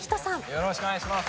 よろしくお願いします。